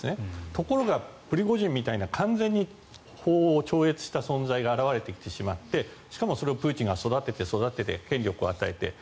ところが、プリゴジンみたいな完全に法を超越した存在が現れてきてしまってしかもプーチンがそれを育てて育てて権力を与えて。